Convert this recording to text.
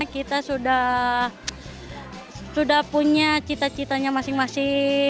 kita sudah punya cita citanya masing masing